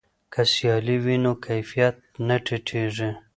که سیالي وي نو کیفیت نه ټیټیږي.